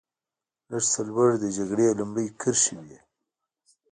لږ څه لوړ د جګړې لومړۍ کرښې وې.